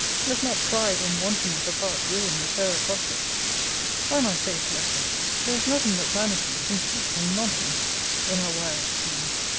Let not pride and wantonness of heart ruin the fairer prospects. By my faith, Lovelace, there is nothing but vanity, conceit, and nonsense, in our wild schemes.